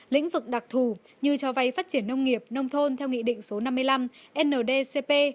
lĩnh vực đặc thù như cho vay phát triển nông nghiệp nông thôn theo nghị định số năm mươi năm ndcp